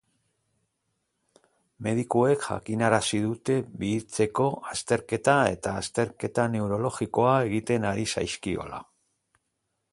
Medikuek jakinarazi dute bihitzeko azterketak eta azterketa neurologikoak egiten ari zaizkiola.